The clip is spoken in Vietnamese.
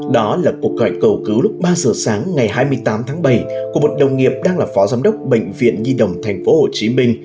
đó là cuộc gọi cầu cứu lúc ba giờ sáng ngày hai mươi tám tháng bảy của một đồng nghiệp đang là phó giám đốc bệnh viện nhi đồng tp hcm